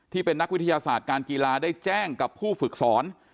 ที่เป็นนักวิทยาศาสตร์การกีฬาได้แจ้งกับผู้ฝึกสอน